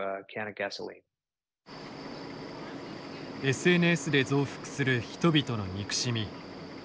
ＳＮＳで増幅する人々の憎しみ。